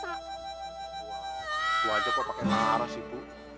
wah gua aja kok pake laras sih bu